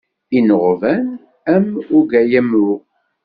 Innuɣben am ugayemru.